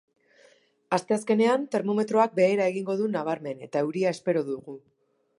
Asteazkenean, termometroak behera egingo du nabarmen eta euria espero dugu.